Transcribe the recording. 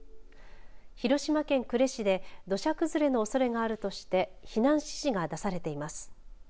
広島県呉市で土砂崩れのおそれがあるとして避難指示が出されています。